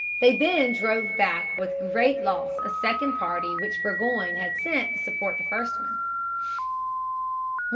They then drove back with great loss a second party which Burgoyne had sent to support the first one.